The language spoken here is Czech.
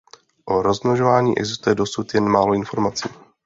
O rozmnožování existuje dosud jen málo informací.